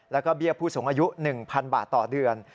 แล้วก็เบี้ยผู้สูงอายุ๑๐๐๐บาทต่อเดือน